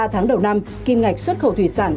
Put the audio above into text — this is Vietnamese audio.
ba tháng đầu năm kim ngạch xuất khẩu thủy sản